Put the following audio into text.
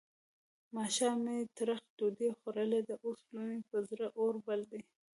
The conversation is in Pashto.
ماښام مې ترخه ډوډۍ خوړلې ده؛ اوس مې پر زړه اور بل دی.